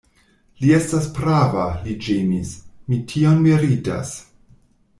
Li estas prava, li ĝemis; mi tion meritas.